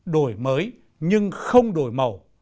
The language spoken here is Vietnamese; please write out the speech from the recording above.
đổi mới nhưng không đổi màu